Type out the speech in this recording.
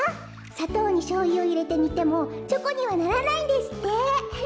さとうにしょうゆをいれてにてもチョコにはならないんですって！